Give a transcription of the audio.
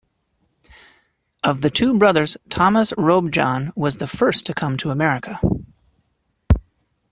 Of the two brothers, Thomas Robjohn was the first to come to America.